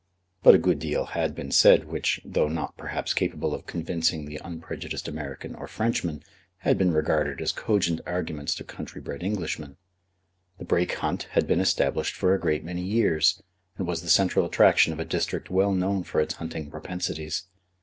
But a good deal had been said which, though not perhaps capable of convincing the unprejudiced American or Frenchman, had been regarded as cogent arguments to country bred Englishmen. The Brake Hunt had been established for a great many years, and was the central attraction of a district well known for its hunting propensities.